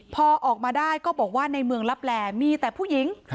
พอออกมาได้ก็บอกว่าในเมืองลับแหล่มีแต่ผู้หญิง